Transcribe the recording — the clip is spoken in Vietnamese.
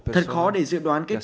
thật khó để giữ